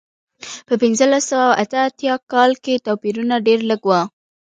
په پنځلس سوه اته اتیا کال کې توپیرونه ډېر لږ و.